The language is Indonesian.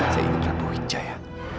saya ingin rapuhin jaya